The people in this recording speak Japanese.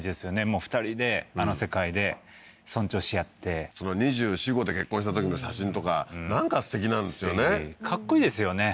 もう２人であの世界で尊重し合って２４２５で結婚したときの写真とかなんかすてきなんですよねかっこいいですよね